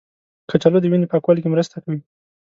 کچالو د وینې پاکوالي کې مرسته کوي.